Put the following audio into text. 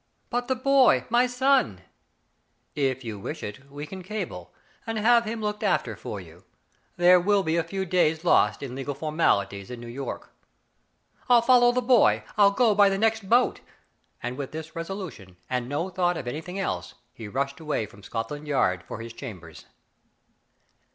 " But the boy, my son ?"'• If you wish it, we can cable, and have him looked after for you. There will be a few days lost in legal formalities in New York/' " ril follow the boy. Til go by the next boat !" and, with this resolution, and no thought of any thing else, he rushed away from Scotland Yard for his chambers.